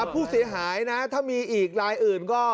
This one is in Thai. ผู้เสียหายนะถ้ามีอีกรายอื่นก็